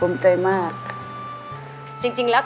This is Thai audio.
คุณแม่รู้สึกยังไงในตัวของกุ้งอิงบ้าง